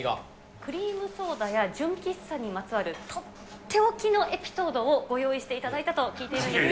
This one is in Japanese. クリームソーダや純喫茶にまつわる取って置きのエピソードをご用意していただいたと聞いているんですが。